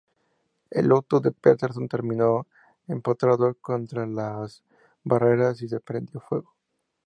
El Lotus de Peterson terminó empotrado contra las barreras y se prendió fuego.